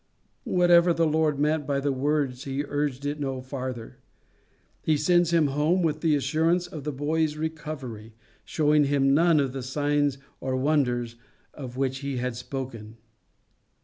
Whatever the Lord meant by the words he urged it no farther. He sends him home with the assurance of the boy's recovery, showing him none of the signs or wonders of which he had spoken.